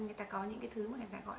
người ta có những cái thứ mà người ta gọi